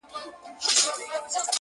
تر مزد ئې شکر دانه ډېره سوه.